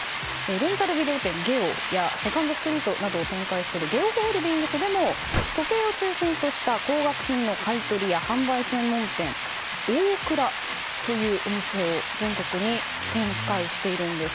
レンタルビデオ店、ゲオやセカンドストリートなどを展開するゲオホールディングスでも時計を中心とした高額品の買い取りや販売の専門店ＯＫＵＲＡというお店を全国に展開しているんです。